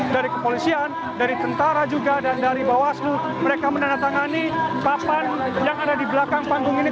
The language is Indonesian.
dari kepolisian dari tentara juga dan dari bawaslu mereka menandatangani papan yang ada di belakang panggung ini